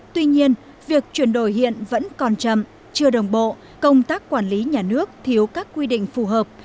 tuy nhiên việc chuyển đổi hiện vẫn còn chậm chưa đồng bộ công tác quản lý nhà nước thiếu các quy định phù hợp